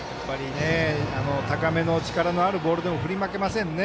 高めの力のあるボールでも振り負けませんね。